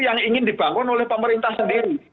yang ingin dibangun oleh pemerintah sendiri